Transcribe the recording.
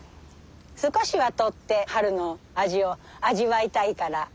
少しは採って春の味を味わいたいから。